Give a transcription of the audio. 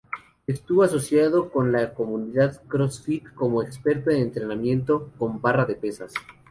Estuvo asociado con la comunidad CrossFit como experto en entrenamiento con barra de pesas.